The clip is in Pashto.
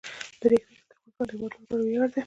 د ریګ دښتې د افغانستان د هیوادوالو لپاره ویاړ دی.